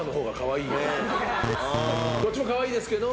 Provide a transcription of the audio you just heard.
どっちもかわいいですけど。